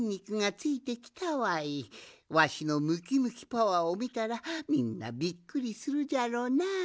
わしのムキムキパワーをみたらみんなびっくりするじゃろうな。